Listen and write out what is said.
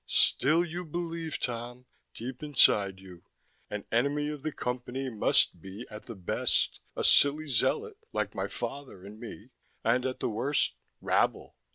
"Still you believe, Tom. Deep inside you: An enemy of the Company must be, at the best, a silly zealot like my father and me and at the worst, rabble."